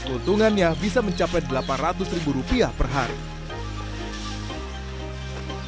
keuntungannya bisa mencapai delapan ratus ribu rupiah per hari